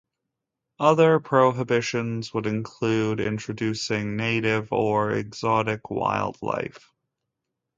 Other prohibitions would include introducing native or exotic wildlife.